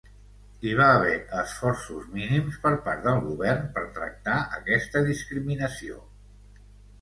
Hi va haver esforços mínims per part del Govern per tractar aquesta discriminació.